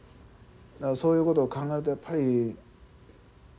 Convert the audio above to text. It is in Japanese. そういうことを考えるとやっぱり本当